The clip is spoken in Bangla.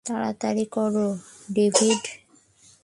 তাড়াতাড়ি করো, ডেভিড!